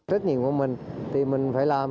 huyện tinh phước tỉnh quảng nam